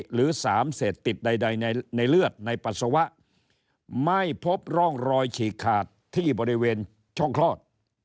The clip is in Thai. หรือ๓เสพติดใดในเลือดในปัสสาวะไม่พบร่องรอยฉีกขาดที่บริเวณช่องคลอด